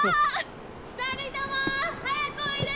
２人とも早くおいで！